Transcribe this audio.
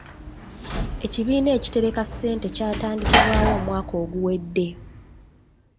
Ekibiina ekitereka ssente kyatandikibwawo omwaka oguwedde .